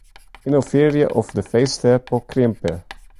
Ynnovearje, of de feesteapel krimpe?